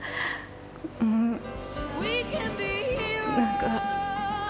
うん何か。